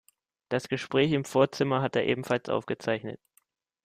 Das Gespräch im Vorzimmer hat er ebenfalls aufgezeichnet.